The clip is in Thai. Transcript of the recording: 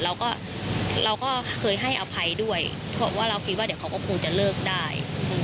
เราก็เราก็เคยให้อภัยด้วยเพราะว่าเราคิดว่าเดี๋ยวเขาก็คงจะเลิกได้